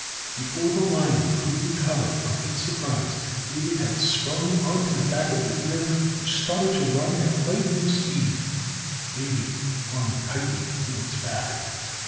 Before the lion could recover from its surprise, David had sprung on to the back of the deer which started to run at lightning speed. David clung tightly to its back.